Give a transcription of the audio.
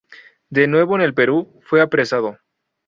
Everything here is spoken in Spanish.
De nuevo en el Perú, fue apresado.